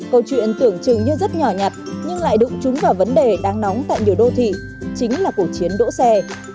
câu chuyện tưởng chừng như rất nhỏ nhặt nhưng lại đụng chúng vào vấn đề đáng nóng tại nhiều đô thị chính là cuộc chiến đỗ xe